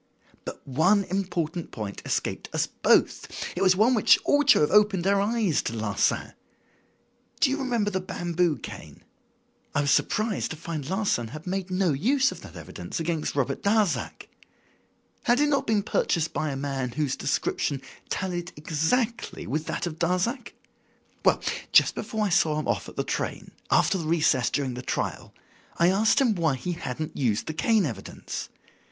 "But one important point escaped us both. It was one which ought to have opened our eyes to Larsan. Do you remember the bamboo cane? I was surprised to find Larsan had made no use of that evidence against Robert Darzac. Had it not been purchased by a man whose description tallied exactly with that of Darzac? Well, just before I saw him off at the train, after the recess during the trial, I asked him why he hadn't used the cane evidence.